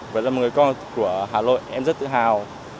vậy là một người con của hà nội em rất tự hào